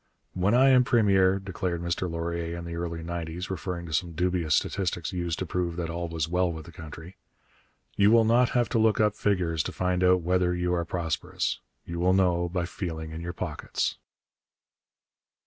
'When I am Premier,' declared Mr Laurier in the early nineties, referring to some dubious statistics used to prove that all was well with the country, 'you will not have to look up figures to find out whether you are prosperous: you will know by feeling in your pockets.'